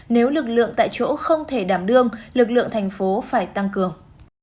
nếu lực lượng tại chỗ không thể đảm đương lực lượng thành phố phải tăng cường